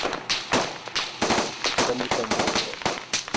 Псэм ипэ напэ.